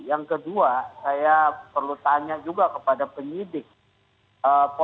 yang kedua saya perlu tanya juga kepada penyidik polres jakarta selatan dan polda metro jakarta